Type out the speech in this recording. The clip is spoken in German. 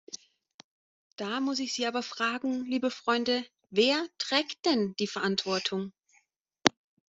Da muss ich Sie aber fragen, liebe Freunde, wer trägt denn die Verantwortung?